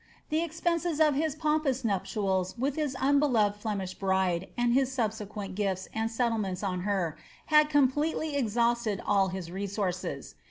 The expenses of his pompous nuptials with his unbe loved Flemish bride, and his subsequent gifts and settlements on her, had completely exhausted all his resources.